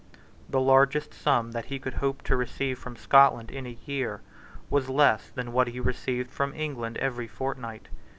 The largest sum that he could hope to receive from Scotland in a year was less than what he received from England every fortnight.